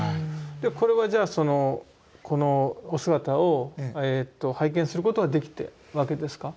これはじゃあこのお姿を拝見することはできたわけですか？